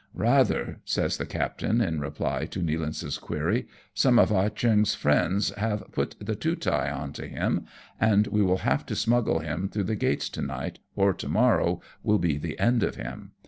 "Rather/'' says the captain in reply to Nealance's query. " Some of Ah Cheong's friends have put the Tootai on to him, and we will have to smuggle him through the gates to night, or to morrow will he the end of him.